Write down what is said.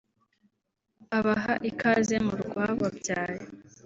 abaha ikaze mu rwababyaye